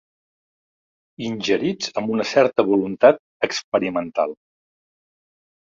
Ingerits amb una certa voluntat experimental.